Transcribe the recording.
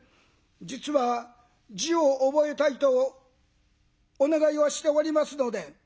実は字を覚えたいとお願いをしておりますので」。